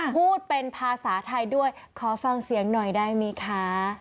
พูดเป็นภาษาไทยด้วยขอฟังเสียงหน่อยได้ไหมคะ